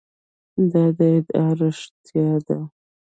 دا ادعا رښتیا ده.